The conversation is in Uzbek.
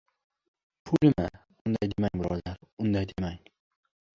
— Pulmi? Unday demang, birodar, unday demang...